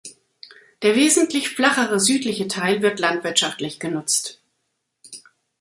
Der wesentlich flachere südliche Teil wird landwirtschaftlich genutzt.